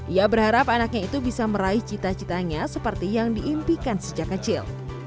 ia berharap anaknya itu bisa meraih cita citanya seperti yang diimpikan sejak kecil